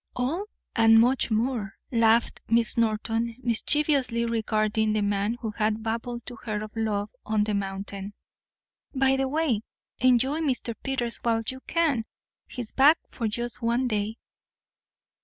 "All, and much more," laughed Miss Norton, mischievously regarding the man who had babbled to her of love on the mountain. "By the way, enjoy Mr. Peters while you can. He's back for just one day."